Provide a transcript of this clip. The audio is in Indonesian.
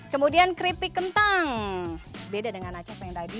kemudian keripik kentang beda dengan aceh yang tadi